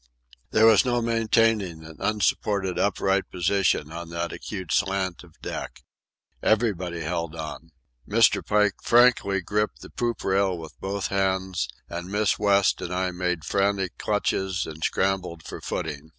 There was no maintaining an unsupported upright position on that acute slant of deck. Everybody held on. Mr. Pike frankly gripped the poop rail with both hands, and Miss West and I made frantic clutches and scrambled for footing.